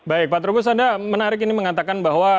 baik pak trubus anda menarik ini mengatakan bahwa